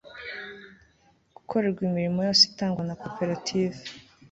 gukorerwa imirimo yose itangwa na koperative